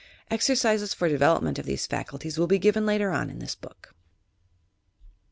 Exercises for development of these faculties will be given later on, in this book.